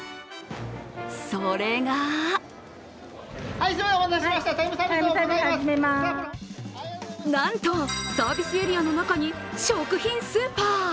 それがなんと、サービスエリアの中に食品スーパー。